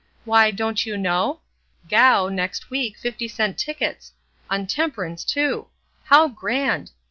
Why, don't you know? Gough, next week, fifty cent tickets; on temperance, too! how grand!